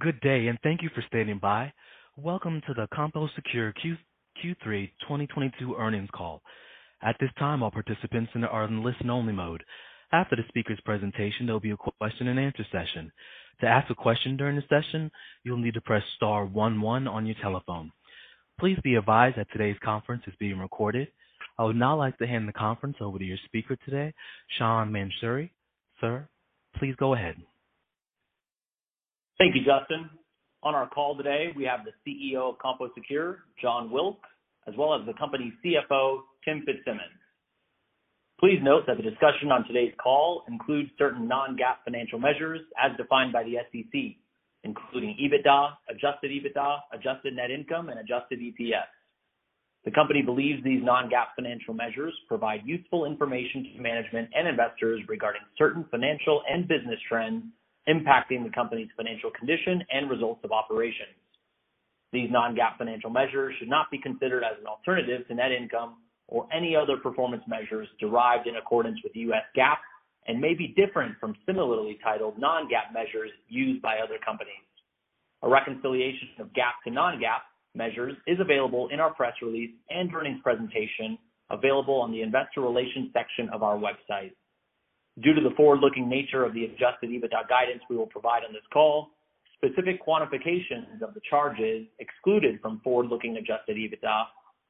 Good day, and thank you for standing by. Welcome to the CompoSecure Q3 2022 earnings call. At this time, all participants are in listen-only mode. After the speaker's presentation, there'll be a question and answer session. To ask a question during the session, you'll need to press star one one on your telephone. Please be advised that today's conference is being recorded. I would now like to hand the conference over to your speaker today, Sean Mansouri. Sir, please go ahead. Thank you, Justin. On our call today, we have the CEO of CompoSecure, Jon Wilk, as well as the company's CFO, Tim Fitzsimmons. Please note that the discussion on today's call includes certain non-GAAP financial measures as defined by the SEC, including EBITDA, Adjusted EBITDA, adjusted net income, and adjusted EPS. The company believes these non-GAAP financial measures provide useful information to management and investors regarding certain financial and business trends impacting the company's financial condition and results of operations. These non-GAAP financial measures should not be considered as an alternative to net income or any other performance measures derived in accordance with the U.S. GAAP and may be different from similarly titled non-GAAP measures used by other companies. A reconciliation of GAAP to non-GAAP measures is available in our press release and earnings presentation available on the investor relations section of our website. Due to the forward-looking nature of the Adjusted EBITDA guidance we will provide on this call, specific quantifications of the charges excluded from forward-looking Adjusted EBITDA,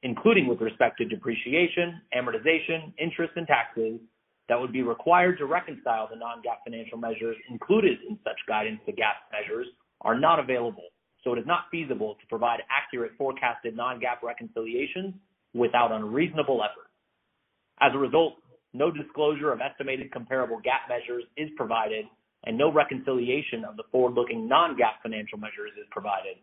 including with respect to depreciation, amortization, interest, and taxes that would be required to reconcile the non-GAAP financial measures included in such guidance to GAAP measures are not available, so it is not feasible to provide accurate forecasted non-GAAP reconciliations without unreasonable effort. As a result, no disclosure of estimated comparable GAAP measures is provided, and no reconciliation of the forward-looking non-GAAP financial measures is provided.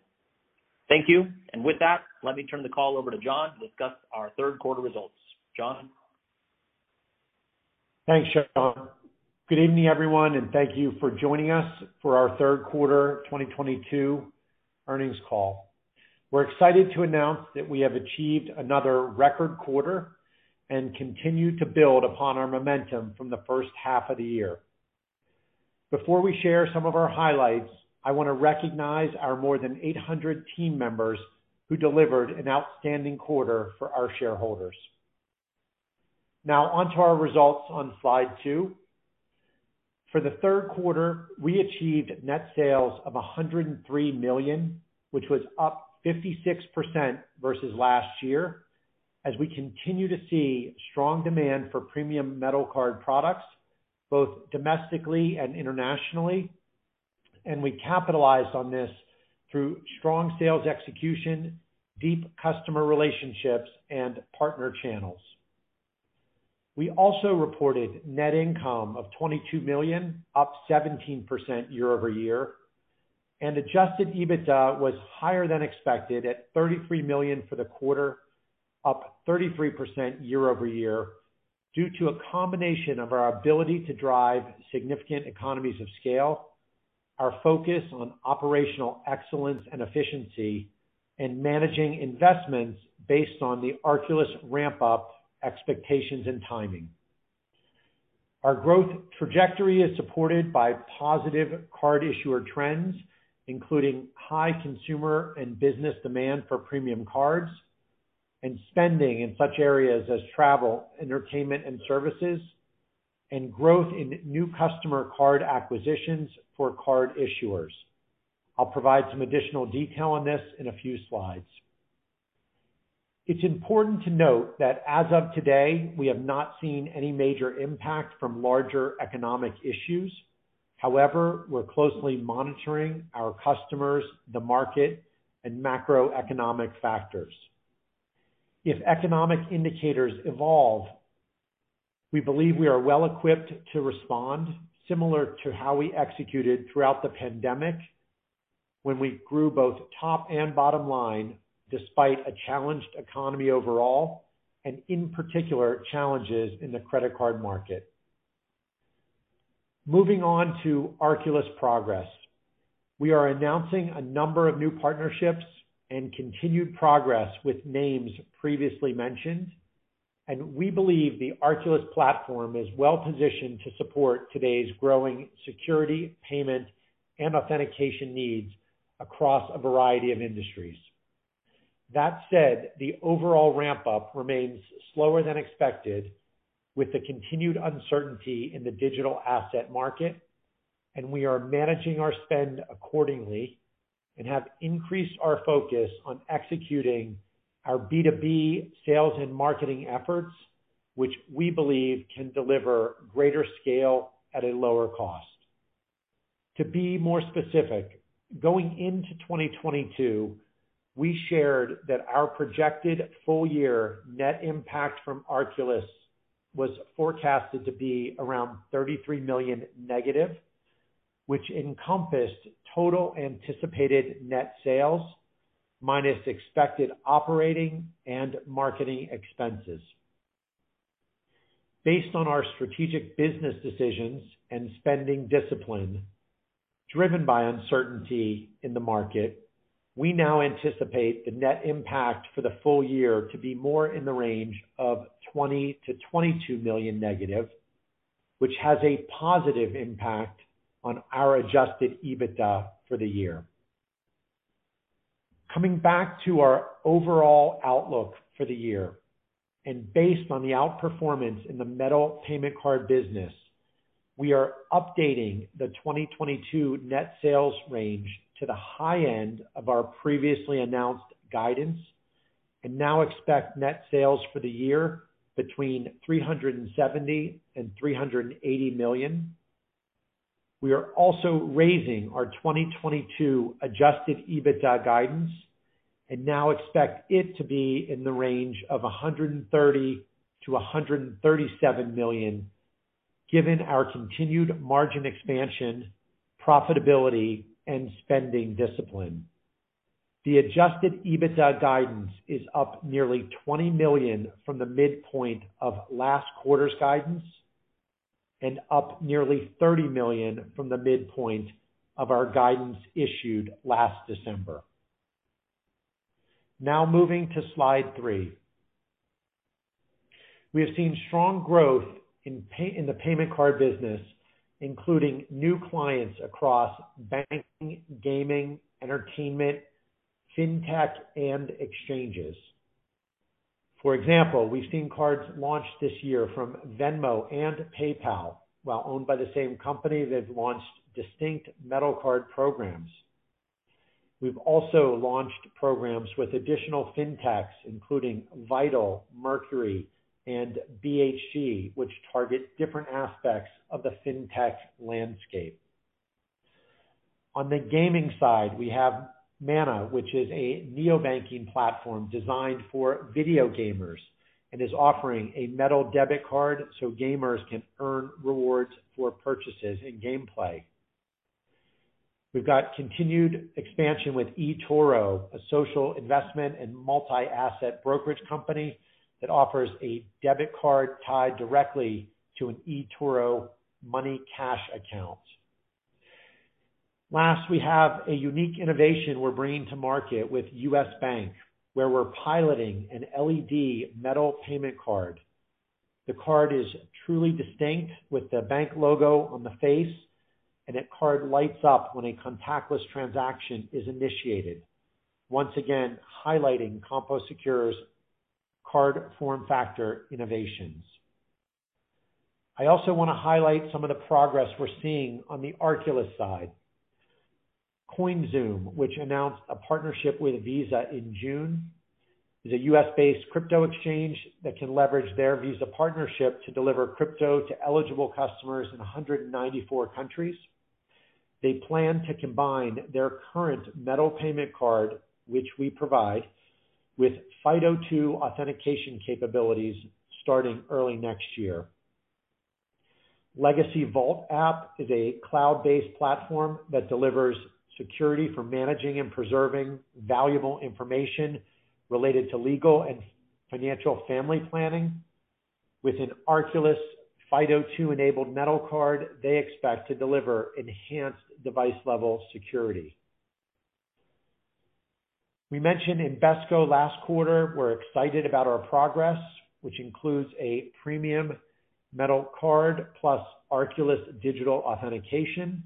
Thank you. With that, let me turn the call over to Jon to discuss our third quarter results. Jon. Thanks, Sean. Good evening, everyone, and thank you for joining us for our third quarter 2022 earnings call. We're excited to announce that we have achieved another record quarter and continue to build upon our momentum from the first half of the year. Before we share some of our highlights, I want to recognize our more than 800 team members who delivered an outstanding quarter for our shareholders. Now on to our results on slide two. For the third quarter, we achieved net sales of $103 million, which was up 56% versus last year as we continue to see strong demand for premium metal card products both domestically and internationally. We capitalized on this through strong sales execution, deep customer relationships, and partner channels. We also reported net income of $22 million, up 17% year-over-year. Adjusted EBITDA was higher than expected at $33 million for the quarter, up 33% year-over-year, due to a combination of our ability to drive significant economies of scale, our focus on operational excellence and efficiency, and managing investments based on the Arculus ramp-up expectations and timing. Our growth trajectory is supported by positive card issuer trends, including high consumer and business demand for premium cards, and spending in such areas as travel, entertainment, and services, and growth in new customer card acquisitions for card issuers. I'll provide some additional detail on this in a few slides. It's important to note that as of today, we have not seen any major impact from larger economic issues. However, we're closely monitoring our customers, the market, and macroeconomic factors. If economic indicators evolve, we believe we are well equipped to respond similar to how we executed throughout the pandemic when we grew both top and bottom line despite a challenged economy overall and in particular challenges in the credit card market. Moving on to Arculus progress. We are announcing a number of new partnerships and continued progress with names previously mentioned, and we believe the Arculus platform is well positioned to support today's growing security, payment, and authentication needs across a variety of industries. That said, the overall ramp up remains slower than expected with the continued uncertainty in the digital asset market, and we are managing our spend accordingly and have increased our focus on executing our B2B sales and marketing efforts, which we believe can deliver greater scale at a lower cost. To be more specific, going into 2022, we shared that our projected full year net impact from Arculus was forecasted to be around $33 million negative, which encompassed total anticipated net sales minus expected operating and marketing expenses. Based on our strategic business decisions and spending discipline driven by uncertainty in the market, we now anticipate the net impact for the full year to be more in the range of $20 million-$22 million negative, which has a positive impact on our Adjusted EBITDA for the year. Coming back to our overall outlook for the year, and based on the outperformance in the metal payment card business, we are updating the 2022 net sales range to the high end of our previously announced guidance and now expect net sales for the year between $370 million and $380 million. We are also raising our 2022 Adjusted EBITDA guidance and now expect it to be in the range of $130 million-$137 million, given our continued margin expansion, profitability, and spending discipline. The Adjusted EBITDA guidance is up nearly $20 million from the midpoint of last quarter's guidance and up nearly $30 million from the midpoint of our guidance issued last December. Now moving to slide three. We have seen strong growth in the payment card business, including new clients across banking, gaming, entertainment, fintech, and exchanges. For example, we've seen cards launched this year from Venmo and PayPal. While owned by the same company, they've launched distinct metal card programs. We've also launched programs with additional fintechs, including Vital, Mercury, and BHG, which target different aspects of the fintech landscape. On the gaming side, we have Mana, which is a neobanking platform designed for video gamers, and is offering a metal debit card so gamers can earn rewards for purchases in gameplay. We've got continued expansion with eToro, a social investment and multi-asset brokerage company that offers a debit card tied directly to an eToro Money cash account. Last, we have a unique innovation we're bringing to market with U.S. Bank, where we're piloting an LED metal payment card. The card is truly distinct, with the bank logo on the face, and the card lights up when a contactless transaction is initiated. Once again, highlighting CompoSecure's card form factor innovations. I also want to highlight some of the progress we're seeing on the Arculus side. CoinZoom, which announced a partnership with Visa in June, is a U.S.-based crypto exchange that can leverage their Visa partnership to deliver crypto to eligible customers in 194 countries. They plan to combine their current metal payment card, which we provide, with FIDO2 authentication capabilities starting early next year. Legacy Vault app is a cloud-based platform that delivers security for managing and preserving valuable information related to legal and financial family planning. With an Arculus FIDO2-enabled metal card, they expect to deliver enhanced device-level security. We mentioned Invesco last quarter. We're excited about our progress, which includes a premium metal card plus Arculus digital authentication,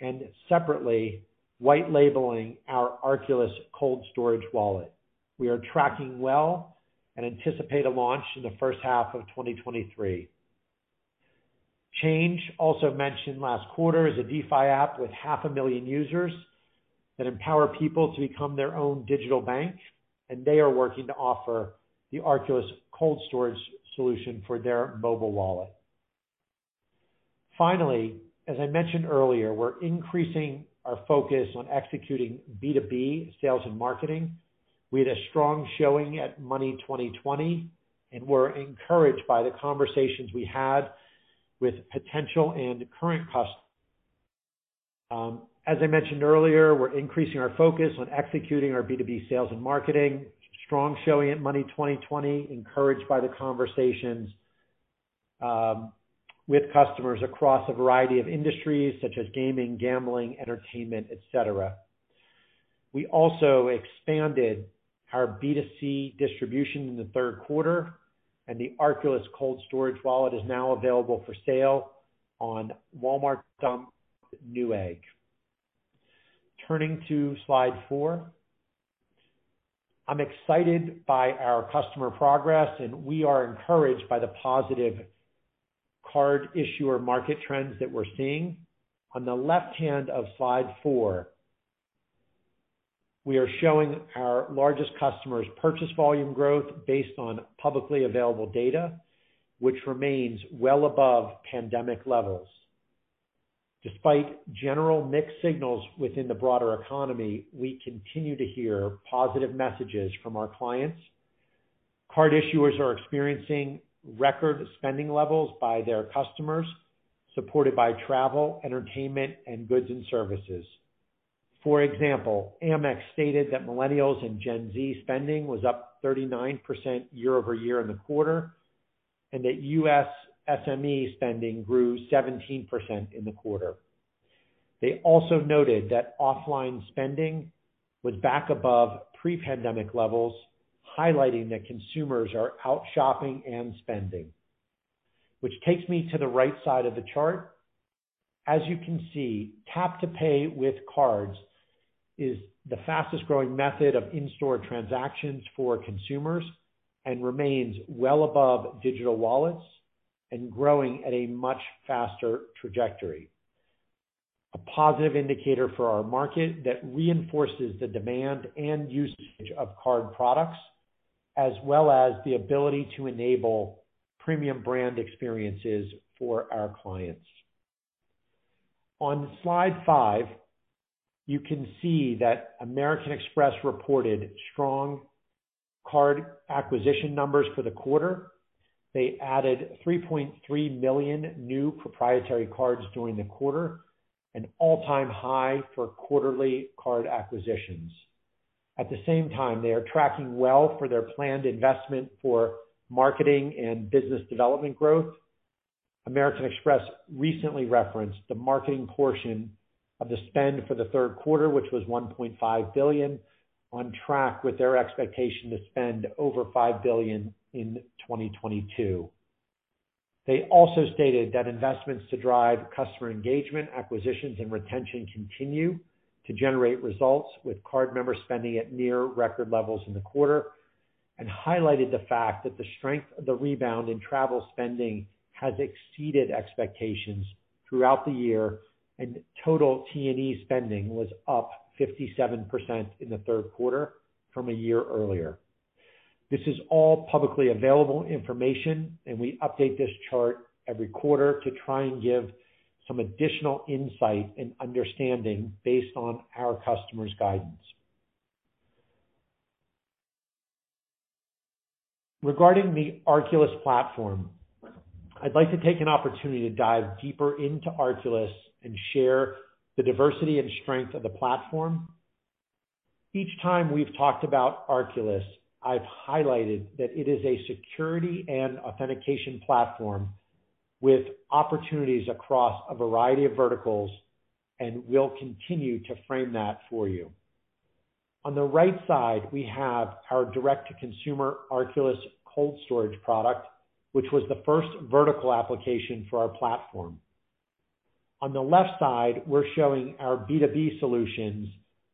and separately, white labeling our Arculus cold storage wallet. We are tracking well and anticipate a launch in the first half of 2023. Change, also mentioned last quarter, is a DeFi app with half a million users that empower people to become their own digital bank, and they are working to offer the Arculus cold storage solution for their mobile wallet. Finally, as I mentioned earlier, we're increasing our focus on executing B2B sales and marketing. We had a strong showing at Money20/20, and we're encouraged by the conversations we had with potential and current customers across a variety of industries such as gaming, gambling, entertainment, et cetera. We also expanded our B2C distribution in the third quarter, and the Arculus cold storage wallet is now available for sale on Walmart, [Jump], Newegg. Turning to slide four. I'm excited by our customer progress, and we are encouraged by the positive card issuer market trends that we're seeing. On the left hand of slide four, we are showing our largest customers' purchase volume growth based on publicly available data, which remains well above pandemic levels. Despite general mixed signals within the broader economy, we continue to hear positive messages from our clients. Card issuers are experiencing record spending levels by their customers, supported by travel, entertainment, and goods and services. For example, Amex stated that Millennials and Gen Z spending was up 39% year-over-year in the quarter, and that U.S. SME spending grew 17% in the quarter. They also noted that offline spending was back above pre-pandemic levels, highlighting that consumers are out shopping and spending. Which takes me to the right side of the chart. As you can see, tap-to-pay with cards is the fastest growing method of in-store transactions for consumers and remains well above digital wallets and growing at a much faster trajectory. A positive indicator for our market that reinforces the demand and usage of card products, as well as the ability to enable premium brand experiences for our clients. On slide five, you can see that American Express reported strong card acquisition numbers for the quarter. They added 3.3 million new proprietary cards during the quarter, an all-time high for quarterly card acquisitions. At the same time, they are tracking well for their planned investment for marketing and business development growth. American Express recently referenced the marketing portion of the spend for the third quarter, which was $1.5 billion, on track with their expectation to spend over $5 billion in 2022. They also stated that investments to drive customer engagement, acquisitions, and retention continue to generate results with card member spending at near record levels in the quarter and highlighted the fact that the strength of the rebound in travel spending has exceeded expectations throughout the year, and total T&E spending was up 57% in the third quarter from a year earlier. This is all publicly available information, and we update this chart every quarter to try and give some additional insight and understanding based on our customers' guidance. Regarding the Arculus platform, I'd like to take an opportunity to dive deeper into Arculus and share the diversity and strength of the platform. Each time we've talked about Arculus, I've highlighted that it is a security and authentication platform with opportunities across a variety of verticals, and we'll continue to frame that for you. On the right side, we have our direct-to-consumer Arculus cold storage product, which was the first vertical application for our platform. On the left side, we're showing our B2B solutions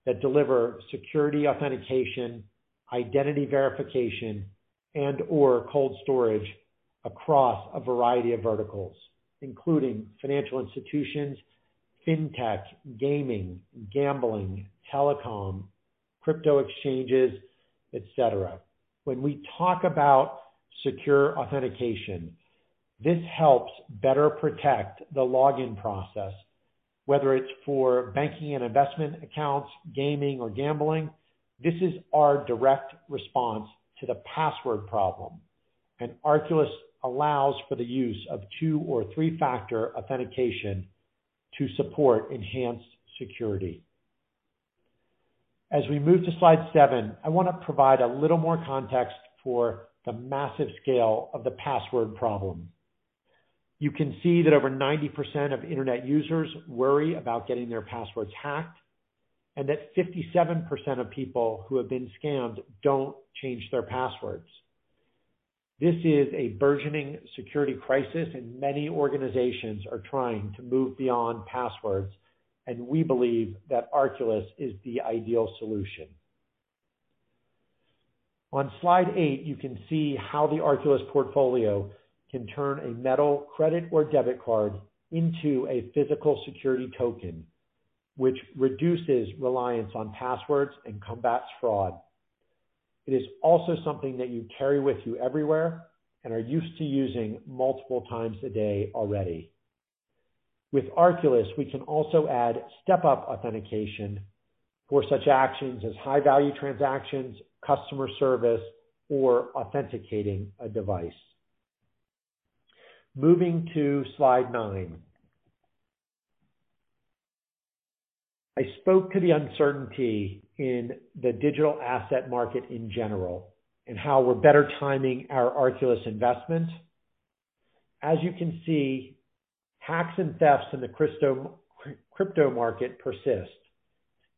that deliver security authentication, identity verification, and/or cold storage across a variety of verticals, including financial institutions, fintech, gaming, gambling, telecom, crypto exchanges, et cetera. When we talk about secure authentication, this helps better protect the login process, whether it's for banking and investment accounts, gaming or gambling. This is our direct response to the password problem, and Arculus allows for the use of two or three-factor authentication to support enhanced security. As we move to slide seven, I want to provide a little more context for the massive scale of the password problem. You can see that over 90% of Internet users worry about getting their passwords hacked, and that 57% of people who have been scammed don't change their passwords. This is a burgeoning security crisis, and many organizations are trying to move beyond passwords, and we believe that Arculus is the ideal solution. On slide eight, you can see how the Arculus portfolio can turn a metal credit or debit card into a physical security token, which reduces reliance on passwords and combats fraud. It is also something that you carry with you everywhere and are used to using multiple times a day already. With Arculus, we can also add step-up authentication for such actions as high-value transactions, customer service, or authenticating a device. Moving to slide nine. I spoke to the uncertainty in the digital asset market in general and how we're better timing our Arculus investment. As you can see, hacks and thefts in the crypto market persist.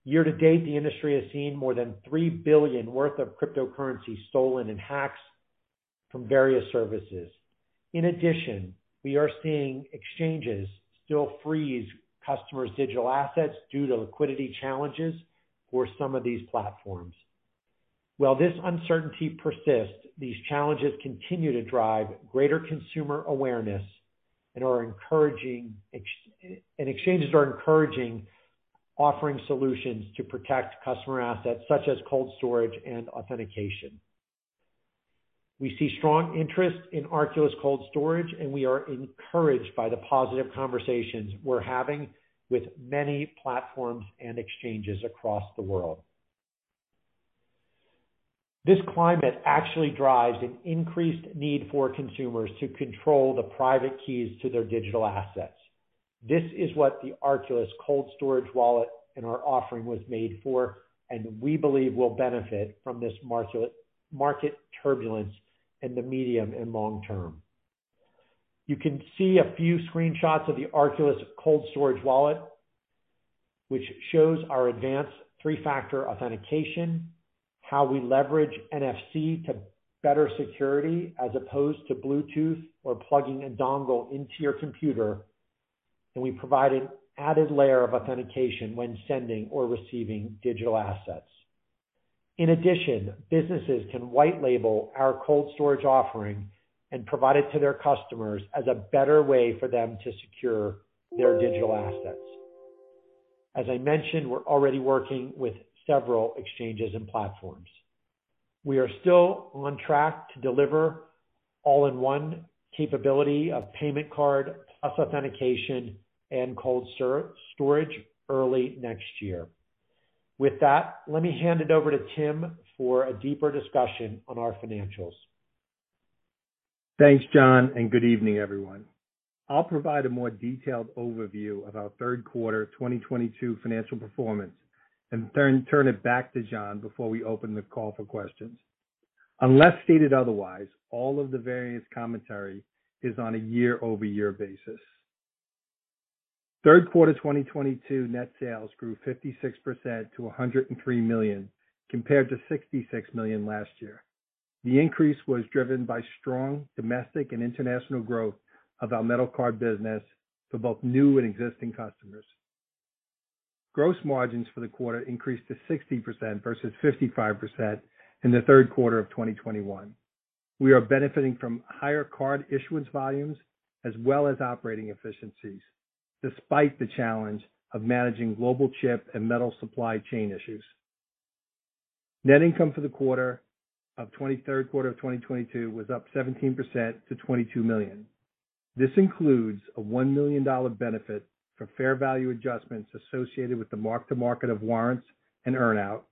Year to date, the industry has seen more than $3 billion worth of cryptocurrency stolen in hacks from various services. In addition, we are seeing exchanges still freeze customers' digital assets due to liquidity challenges for some of these platforms. While this uncertainty persists, these challenges continue to drive greater consumer awareness and are encouraging exchanges offering solutions to protect customer assets, such as cold storage and authentication. We see strong interest in Arculus cold storage, and we are encouraged by the positive conversations we're having with many platforms and exchanges across the world. This climate actually drives an increased need for consumers to control the private keys to their digital assets. This is what the Arculus cold storage wallet and our offering was made for, and we believe will benefit from this market turbulence in the medium and long term. You can see a few screenshots of the Arculus cold storage wallet, which shows our advanced three-factor authentication, how we leverage NFC for better security as opposed to Bluetooth or plugging a dongle into your computer, and we provide an added layer of authentication when sending or receiving digital assets. In addition, businesses can white label our cold storage offering and provide it to their customers as a better way for them to secure their digital assets. As I mentioned, we're already working with several exchanges and platforms. We are still on track to deliver all-in-one capability of payment card, plus authentication, and cold storage early next year. With that, let me hand it over to Tim for a deeper discussion on our financials. Thanks, Jon, and good evening, everyone. I'll provide a more detailed overview of our third quarter 2022 financial performance and turn it back to Jon before we open the call for questions. Unless stated otherwise, all of the various commentary is on a year-over-year basis. Third quarter 2022 net sales grew 56% to $103 million, compared to $66 million last year. The increase was driven by strong domestic and international growth of our metal card business for both new and existing customers. Gross margins for the quarter increased to 60% versus 55% in the third quarter of 2021. We are benefiting from higher card issuance volumes as well as operating efficiencies despite the challenge of managing global chip and metal supply chain issues. Net income for the third quarter of 2022 was up 17% to $22 million. This includes a $1 million benefit for fair value adjustments associated with the mark-to-market of warrants and earn-out,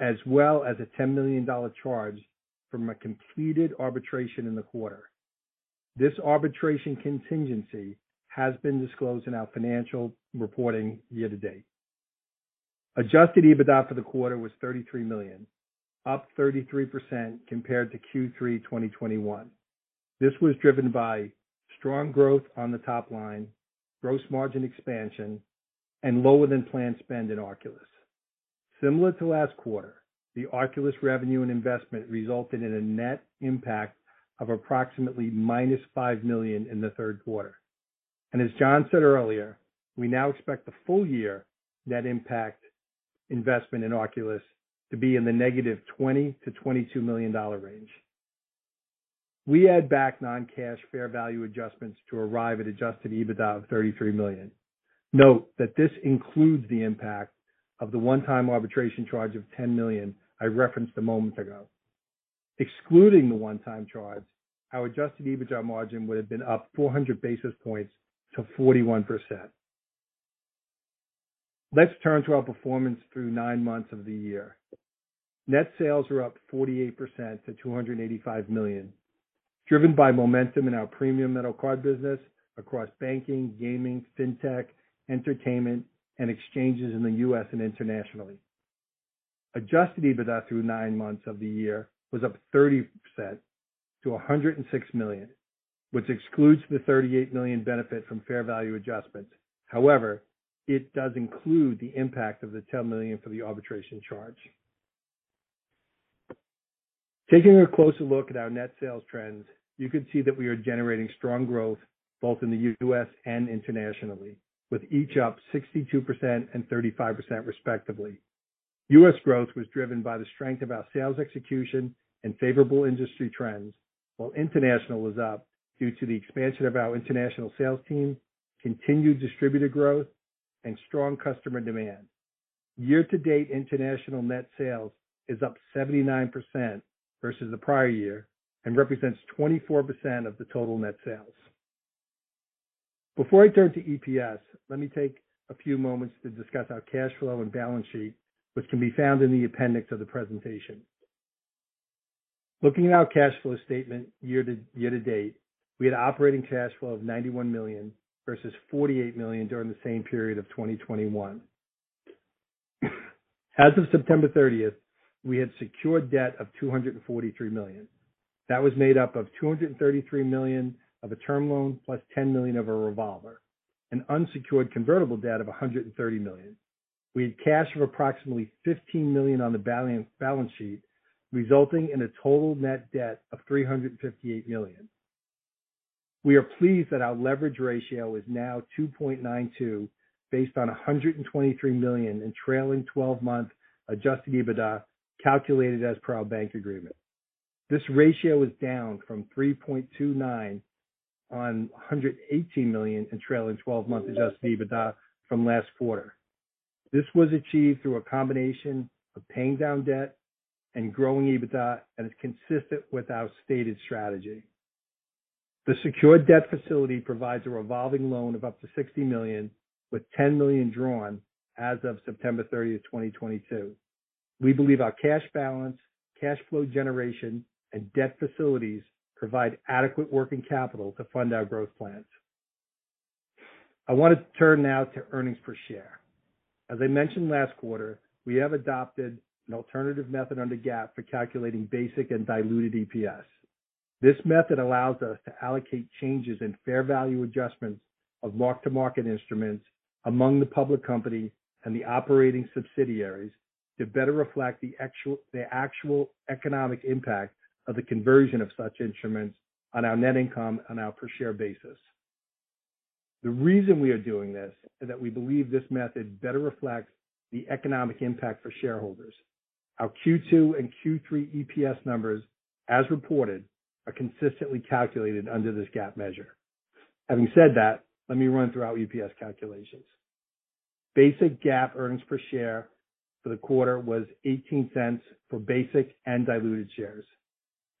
as well as a $10 million charge from a completed arbitration in the quarter. This arbitration contingency has been disclosed in our financial reporting year to date. Adjusted EBITDA for the quarter was $33 million, up 33% compared to Q3 2021. This was driven by strong growth on the top line, gross margin expansion, and lower than planned spend in Arculus. Similar to last quarter, the Arculus revenue and investment resulted in a net impact of approximately -$5 million in the third quarter. As Jon said earlier, we now expect the full year net impact investment in Arculus to be in the negative $20 million-$22 million range. We add back non-cash fair value adjustments to arrive at Adjusted EBITDA of $33 million. Note that this includes the impact of the one-time arbitration charge of $10 million I referenced a moment ago. Excluding the one-time charge, our Adjusted EBITDA margin would have been up 400 basis points to 41%. Let's turn to our performance through nine months of the year. Net sales were up 48% to $285 million, driven by momentum in our premium metal card business across banking, gaming, fintech, entertainment, and exchanges in the U.S. and internationally. Adjusted EBITDA through nine months of the year was up 30% to $106 million, which excludes the $38 million benefit from fair value adjustments. However, it does include the impact of the $10 million for the arbitration charge. Taking a closer look at our net sales trends, you can see that we are generating strong growth both in the U.S. and internationally, with each up 62% and 35% respectively. U.S. growth was driven by the strength of our sales execution and favorable industry trends. While international was up due to the expansion of our international sales team, continued distributor growth, and strong customer demand. Year to date, international net sales is up 79% versus the prior year and represents 24% of the total net sales. Before I turn to EPS, let me take a few moments to discuss our cash flow and balance sheet, which can be found in the appendix of the presentation. Looking at our cash flow statement year to date, we had operating cash flow of $91 million versus $48 million during the same period of 2021. As of September 30th, we had secured debt of $243 million. That was made up of $233 million of a term loan plus $10 million of a revolver, an unsecured convertible debt of $130 million. We had cash of approximately $15 million on the balance sheet, resulting in a total net debt of $358 million. We are pleased that our leverage ratio is now 2.92 based on $123 million in trailing 12-month Adjusted EBITDA calculated as per our bank agreement. This ratio is down from 3.29 on $118 million in trailing 12-month Adjusted EBITDA from last quarter. This was achieved through a combination of paying down debt and growing EBITDA, and is consistent with our stated strategy. The secured debt facility provides a revolving loan of up to $60 million, with $10 million drawn as of September 30th, 2022. We believe our cash balance, cash flow generation, and debt facilities provide adequate working capital to fund our growth plans. I want to turn now to earnings per share. As I mentioned last quarter, we have adopted an alternative method under GAAP for calculating basic and diluted EPS. This method allows us to allocate changes in fair value adjustments of mark-to-market instruments among the public company and the operating subsidiaries to better reflect the actual economic impact of the conversion of such instruments on our net income on our per share basis. The reason we are doing this is that we believe this method better reflects the economic impact for shareholders. Our Q2 and Q3 EPS numbers, as reported, are consistently calculated under this GAAP measure. Having said that, let me run through our EPS calculations. Basic GAAP earnings per share for the quarter was $0.18 for basic and diluted shares.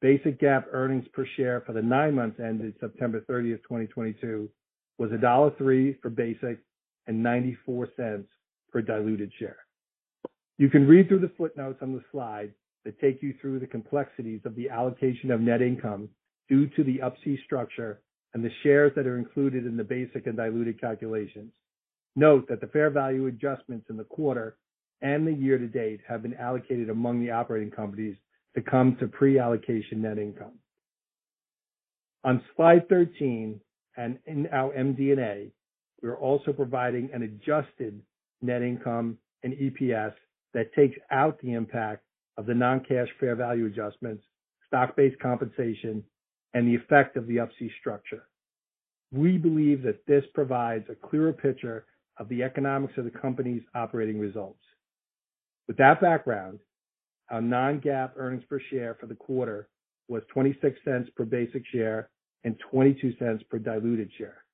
Basic GAAP earnings per share for the nine months ended September 30th, 2022 was $1.03 for basic and $0.94 per diluted share. You can read through the footnotes on the slide that take you through the complexities of the allocation of net income due to the Up-C structure and the shares that are included in the basic and diluted calculations. Note that the fair value adjustments in the quarter and the year to date have been allocated among the operating companies to come to pre-allocation net income. On slide 13 and in our MD&A, we are also providing an adjusted net income and EPS that takes out the impact of the non-cash fair value adjustments, stock-based compensation, and the effect of the Up-C structure. We believe that this provides a clearer picture of the economics of the company's operating results. With that background, our non-GAAP earnings per share for the quarter was $0.26 per basic share and $0.22 per diluted share.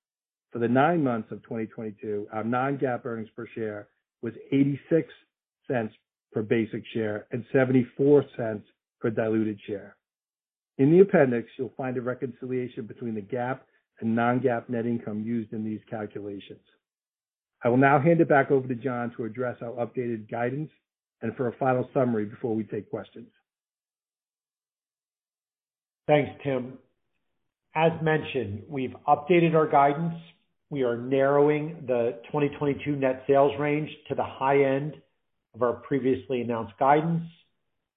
For the nine months of 2022, our non-GAAP earnings per share was $0.86 per basic share and $0.74 per diluted share. In the appendix, you'll find a reconciliation between the GAAP and non-GAAP net income used in these calculations. I will now hand it back over to Jon to address our updated guidance and for a final summary before we take questions. Thanks, Tim. As mentioned, we've updated our guidance. We are narrowing the 2022 net sales range to the high end of our previously announced guidance.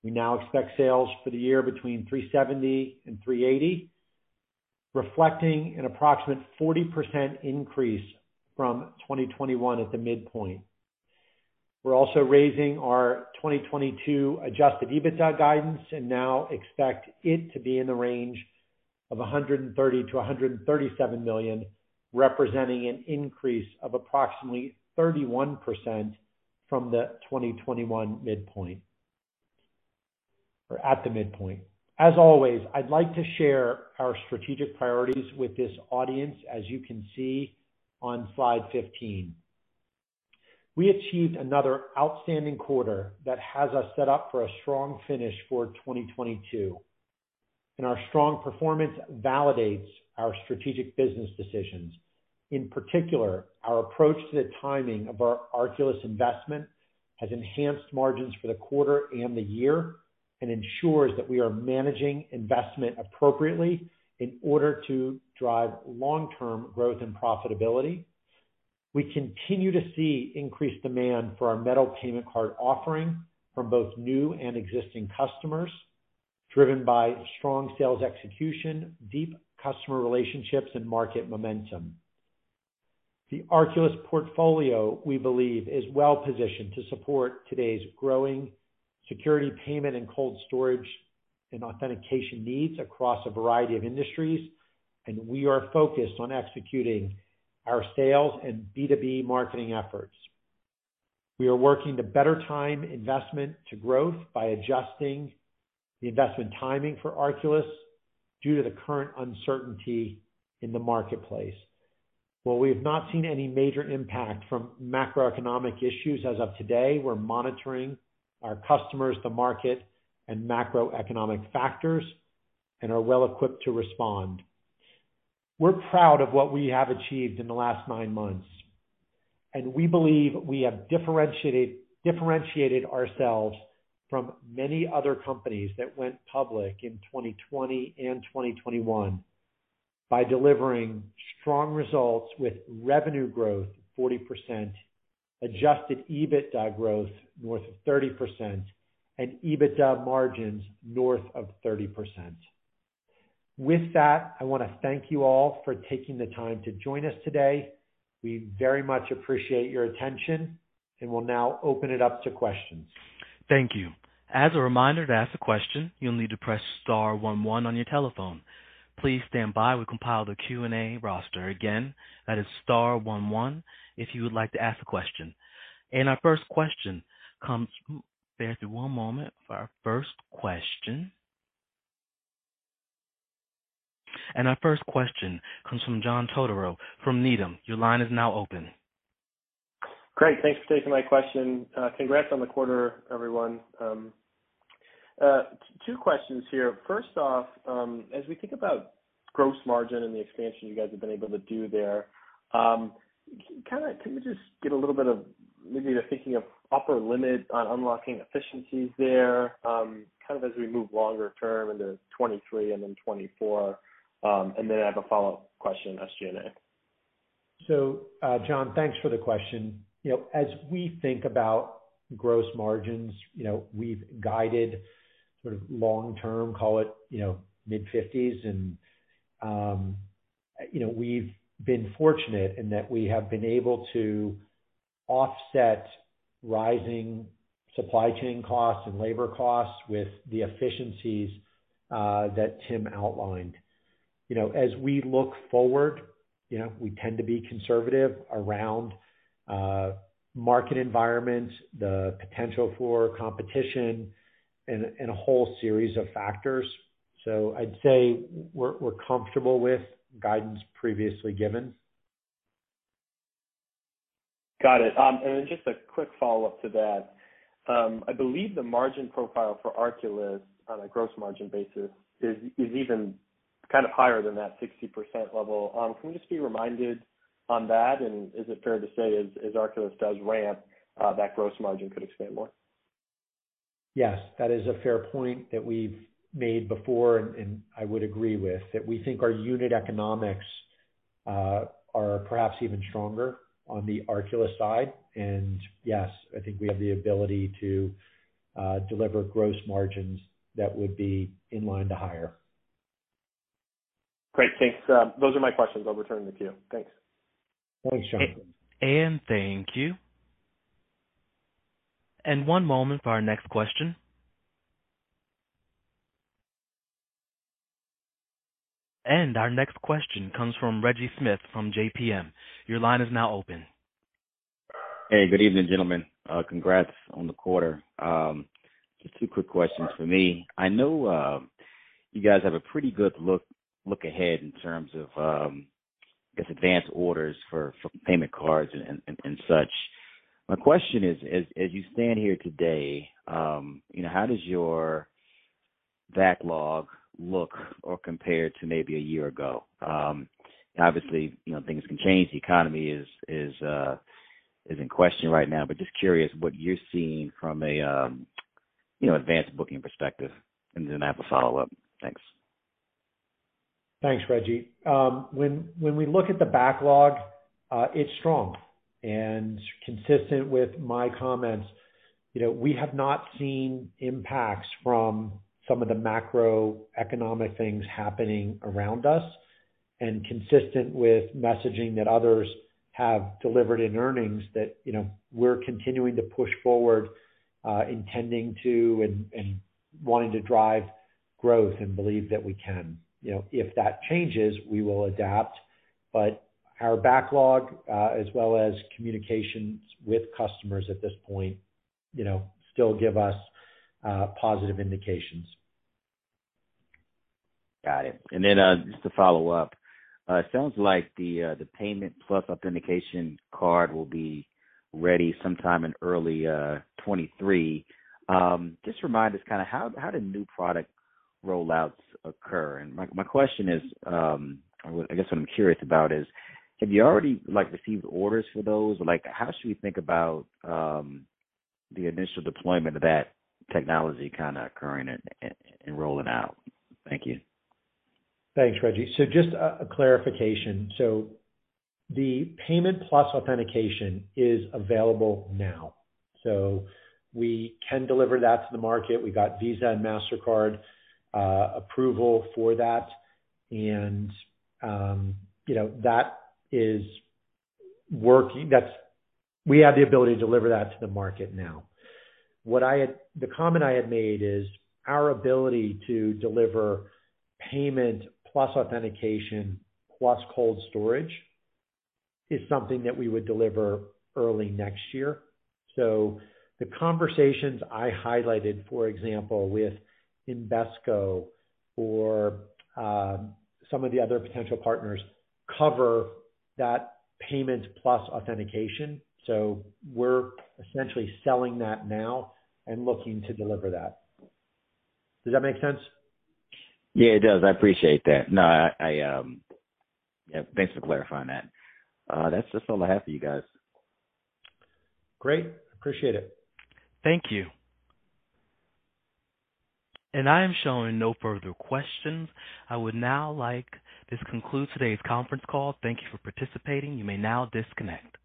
We now expect sales for the year between $370 million and $380 million, reflecting an approximate 40% increase from 2021 at the midpoint. We're also raising our 2022 Adjusted EBITDA guidance and now expect it to be in the range of $130 million-$137 million, representing an increase of approximately 31% from the 2021 midpoint or at the midpoint. As always, I'd like to share our strategic priorities with this audience, as you can see on slide 15. We achieved another outstanding quarter that has us set up for a strong finish for 2022. Our strong performance validates our strategic business decisions. In particular, our approach to the timing of our Arculus investment has enhanced margins for the quarter and the year and ensures that we are managing investment appropriately in order to drive long-term growth and profitability. We continue to see increased demand for our metal payment card offering from both new and existing customers, driven by strong sales execution, deep customer relationships, and market momentum. The Arculus portfolio, we believe, is well positioned to support today's growing security payment and cold storage and authentication needs across a variety of industries, and we are focused on executing our sales and B2B marketing efforts. We are working to better time investment to growth by adjusting the investment timing for Arculus due to the current uncertainty in the marketplace. While we have not seen any major impact from macroeconomic issues as of today, we're monitoring our customers, the market, and macroeconomic factors and are well equipped to respond. We're proud of what we have achieved in the last nine months, and we believe we have differentiated ourselves from many other companies that went public in 2020 and 2021 by delivering strong results with revenue growth 40%, Adjusted EBITDA growth north of 30%, and EBITDA margins north of 30%. With that, I want to thank you all for taking the time to join us today. We very much appreciate your attention and will now open it up to questions. Thank you. As a reminder, to ask a question, you'll need to press star one one on your telephone. Please stand by. We'll compile the Q&A roster. Again, that is star one one if you would like to ask a question. Our first question comes from John Todaro from Needham. Your line is now open. Great. Thanks for taking my question. Congrats on the quarter, everyone. Two questions here. First off, as we think about gross margin and the expansion you guys have been able to do there, kind of can we just get a little bit of maybe the thinking of upper limit on unlocking efficiencies there, kind of as we move longer term into 2023 and then 2024. I have a follow-up question on SG&A. John, thanks for the question. You know, as we think about gross margins, you know, we've guided sort of long term, call it, you know, mid-50s%. You know, we've been fortunate in that we have been able to offset rising supply chain costs and labor costs with the efficiencies that Tim outlined. You know, as we look forward, you know, we tend to be conservative around market environments, the potential for competition and a whole series of factors. I'd say we're comfortable with guidance previously given. Got it. Just a quick follow-up to that. I believe the margin profile for Arculus on a gross margin basis is even kind of higher than that 60% level. Can we just be reminded on that? Is it fair to say as Arculus does ramp, that gross margin could expand more? Yes. That is a fair point that we've made before, and I would agree with, that we think our unit economics are perhaps even stronger on the Arculus side. Yes, I think we have the ability to deliver gross margins that would be in line to higher. Great. Thanks. Those are my questions. I'll return them to you. Thanks. Thanks, John. Thank you. One moment for our next question. Our next question comes from Reggie Smith from JPM. Your line is now open. Hey, good evening, gentlemen. Congrats on the quarter. Just two quick questions from me. I know you guys have a pretty good look ahead in terms of, I guess, advance orders for payment cards and such. My question is, as you stand here today, you know, how does your backlog look or compare to maybe a year ago? Obviously, you know, things can change. The economy is in question right now, but just curious what you're seeing from a, you know, advanced booking perspective. Then I have a follow-up. Thanks. Thanks, Reggie. When we look at the backlog, it's strong. Consistent with my comments, you know, we have not seen impacts from some of the macroeconomic things happening around us. Consistent with messaging that others have delivered in earnings that, you know, we're continuing to push forward, intending to and wanting to drive growth and believe that we can. You know, if that changes, we will adapt. Our backlog, as well as communications with customers at this point, you know, still give us positive indications. Got it. Just to follow up. It sounds like the payment plus authentication card will be ready sometime in early 2023. Just remind us kind of how do new product rollouts occur? My question is, or what I guess what I'm curious about is, have you already, like, received orders for those? Like, how should we think about the initial deployment of that technology kinda occurring and rolling out? Thank you. Thanks, Reggie. Just a clarification. The payment plus authentication is available now, so we can deliver that to the market. We got Visa and Mastercard approval for that. You know, that is working. That's. We have the ability to deliver that to the market now. The comment I had made is our ability to deliver payment plus authentication plus cold storage is something that we would deliver early next year. The conversations I highlighted, for example, with Invesco or some of the other potential partners cover that payment plus authentication. We're essentially selling that now and looking to deliver that. Does that make sense? Yeah, it does. I appreciate that. No, yeah, thanks for clarifying that. That's just all I have for you guys. Great. Appreciate it. Thank you. I am showing no further questions. This concludes today's conference call. Thank you for participating. You may now disconnect.